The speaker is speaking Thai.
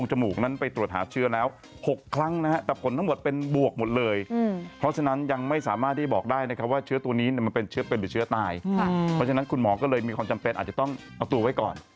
เพราะฉะนั้นคุณหมอก็เลยมีความจำเป็นอาจจะต้องเอาตัวไว้ก่อน